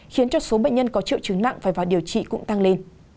khiến cho số bệnh nhân có triệu chứng nặng phải vào điều trị